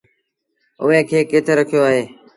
اُئي کي ڪِٿ رکيو اهي؟